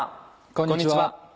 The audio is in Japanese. こんにちは。